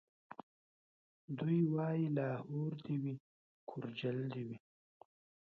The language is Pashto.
دی وايي لاهور دي وي کورجل دي وي